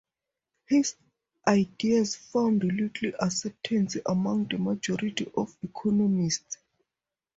His ideas found little acceptance among the majority of economists.